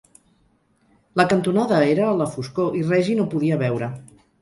La cantonada era a la foscor i Reggie no podia veure.